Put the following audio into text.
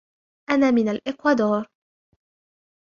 أنا من الإكوادور.